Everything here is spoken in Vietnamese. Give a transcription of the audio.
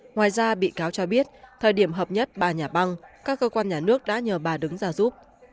ngoài ra bị cáo cho biết thời điểm hợp nhất ba nhà băng các cơ quan nhà nước đã nhờ bà đứng ra giúp